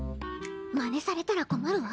まねされたら困るわ。